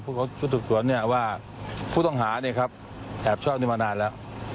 ชุดสืบสวนเนี่ยว่าผู้ต้องหาเนี่ยครับแอบชอบนี้มานานแล้ว